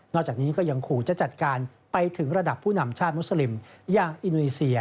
จากนี้ก็ยังคงจะจัดการไปถึงระดับผู้นำชาติมุสลิมอย่างอินโดนีเซีย